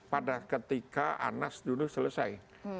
pada ketika anas dulu selesai